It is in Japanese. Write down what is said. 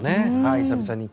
久々に。